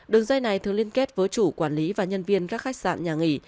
đường dây này thường liên kết với chủ quản lý và nhân viên các khách sạn nhà nghỉ